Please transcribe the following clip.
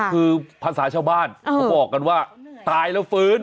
คือภาษาชาวบ้านเขาบอกกันว่าตายแล้วฟื้น